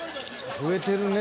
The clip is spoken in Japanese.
「増えてるね